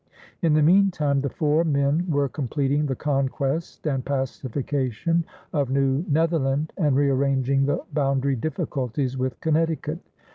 In the meantime, the four men were completing the conquest and pacification of New Netherland, and rearranging the boundary difficulties with Connecticut.